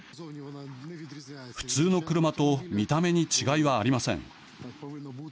普通の車と見た目に違いはありません。